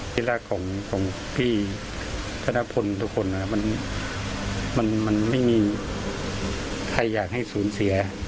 ที่รักของพี่ธนพลทุกคนมันไม่มีใครอยากให้สูญเสีย